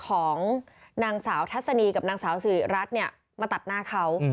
ของนางสาวทัศนีกับนางสาวสิริรัตน์เนี่ยมาตัดหน้าเขา